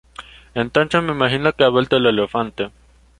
Entonces me imagino que ha vuelto el elefante.